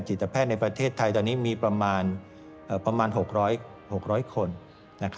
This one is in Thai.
แพทย์ในประเทศไทยตอนนี้มีประมาณ๖๐๐คน